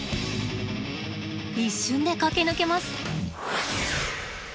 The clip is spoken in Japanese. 一瞬で駆け抜けます。